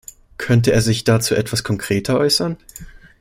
Könnte er sich dazu etwas konkreter äußern?